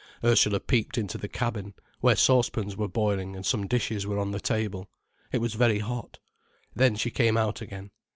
Ursula peeped into the cabin, where saucepans were boiling and some dishes were on the table. It was very hot. Then she came out again.